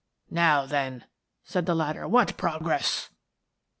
" Now, then," said the latter, " what progress?